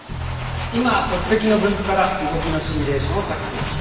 今足跡の分布から動きのシミュレーションを作成中。